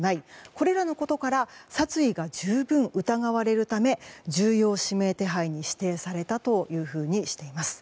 これらのことから殺意が十分、疑われるため重要指名手配に指定されたとしています。